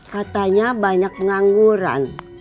katanya banyak pengangguran